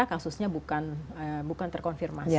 kasusnya bukan terkonfirmasi